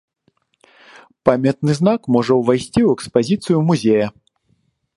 Памятны знак можа ўвайсці ў экспазіцыю музея.